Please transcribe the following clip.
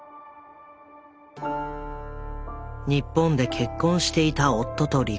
日本で結婚していた夫と離婚。